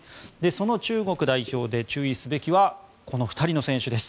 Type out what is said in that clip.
その中国代表で注意すべきはこの２人の選手です。